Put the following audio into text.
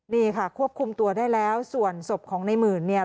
นี่ค่ะควบคุมตัวได้แล้วส่วนศพของในหมื่นเนี่ย